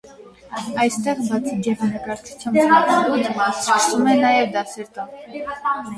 Այստեղ բացի գեղանկարչությամբ զբաղվելուց, սկսում է նաև դասեր տալ։